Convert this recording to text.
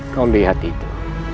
kau lihat itu